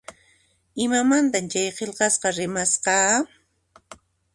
Imamantan chay qillqasqa rimasqa?